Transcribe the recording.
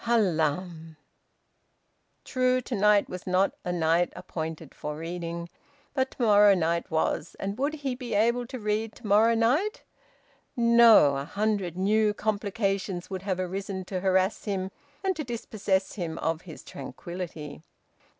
Hallam! ... True, to night was not a night appointed for reading, but to morrow night was. And would he be able to read to morrow night? No, a hundred new complications would have arisen to harass him and to dispossess him of his tranquillity!